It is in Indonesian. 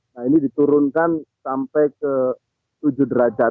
nah ini diturunkan sampai ke tujuh derajat